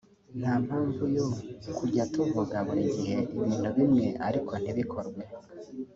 nta mpamvu yo kujya tuvuga buri gihe ibintu bimwe ariko ntibikorwe